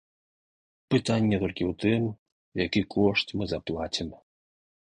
Пытанне толькі ў тым, які кошт мы заплацім.